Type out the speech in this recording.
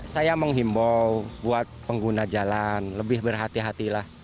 saya menghimbau buat pengguna jalan lebih berhati hatilah